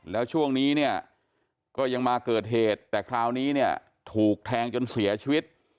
แล้วช่วงนี้เนี่ยก็ยังมาเกิดเหตุแต่คราวนี้เนี่ยถูกแทงจนเสียชีวิต